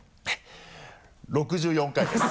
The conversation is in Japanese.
６４回です。